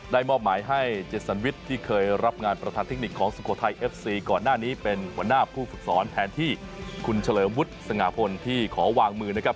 มอบหมายให้เจ็ดสันวิทย์ที่เคยรับงานประธานเทคนิคของสุโขทัยเอฟซีก่อนหน้านี้เป็นหัวหน้าผู้ฝึกสอนแทนที่คุณเฉลิมวุฒิสง่าพลที่ขอวางมือนะครับ